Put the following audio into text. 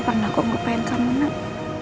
karena aku lupain kamu nak